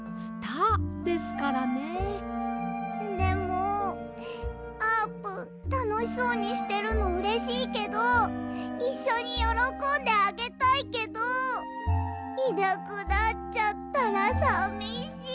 でもあーぷんたのしそうにしてるのうれしいけどいっしょによろこんであげたいけどいなくなっちゃったらさみしい！